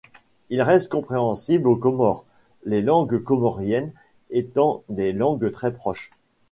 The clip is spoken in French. Il reste compréhensible aux Comores, les langues comoriennes étant des langues très proches.